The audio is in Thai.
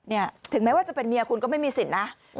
เนี่ยถึงแม้ว่าจะเป็นเมียคุณก็ไม่มีสินนะ